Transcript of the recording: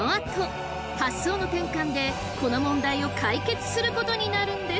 発想の転換でこの問題を解決することになるんです！